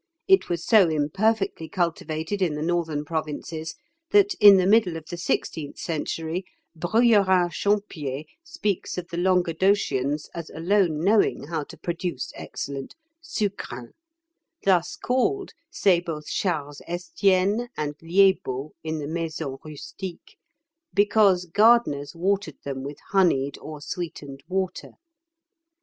It was so imperfectly cultivated in the northern provinces, that, in the middle of the sixteenth century, Bruyérin Champier speaks of the Languedocians as alone knowing how to produce excellent sucrins "thus called," say both Charles Estienne and Liébault in the "Maison Rustique," "because gardeners watered them with honeyed or sweetened water."